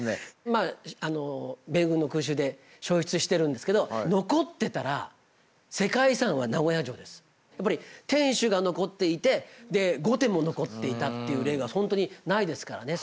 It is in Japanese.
まああの米軍の空襲で焼失してるんですけどやっぱり天守が残っていて御殿も残っていたっていう例がほんとにないですからね。